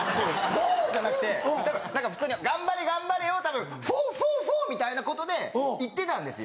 フォ！じゃなくて普通に「頑張れ頑張れ」をたぶん「フォフォフォ！」みたいなことで言ってたんですよ。